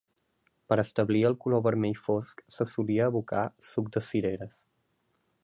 Per establir el color vermell fosc se solia abocar suc de cireres.